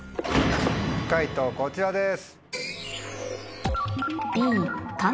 解答こちらです。